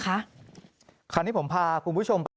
คราวนี้ผมพาคุณผู้ชมไป